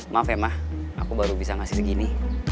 maaf ya mah aku baru bisa ngasih segini